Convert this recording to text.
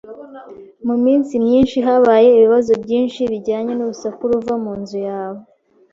Mu minsi yashize habaye ibibazo byinshi bijyanye n’urusaku ruva mu nzu yawe